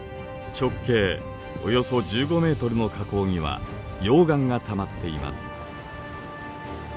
直径およそ１５ｍの火口には溶岩がたまっています。